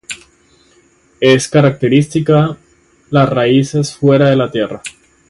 Es característica las raíces fuera de la tierra.